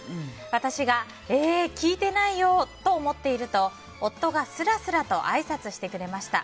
私がえ、聞いてないよと思っていると夫がスラスラとあいさつしてくれました。